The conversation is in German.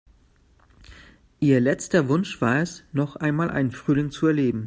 Ihr letzter Wunsch war es, noch einmal einen Frühling zu erleben.